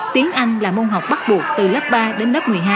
tiếng anh là môn học bắt buộc từ lớp ba đến lớp một mươi hai